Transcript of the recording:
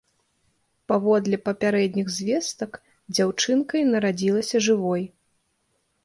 Паводле папярэдніх звестак, дзяўчынкай нарадзілася жывой.